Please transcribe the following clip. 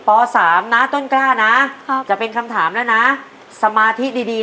ป๓นะต้นกล้านะครับครับจะเป็นคำแล้วนะสมาธิดี